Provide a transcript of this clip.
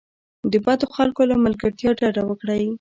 د بدو خلکو له ملګرتیا ډډه وکړئ.